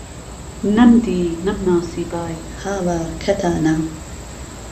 نهمدی نهمناسیبای، هاوار کهتانه